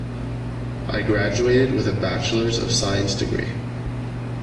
I graduated with a bachelors of science degree.